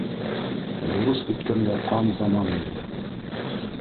— Бурыс бөткәнгә ҡан заман инде.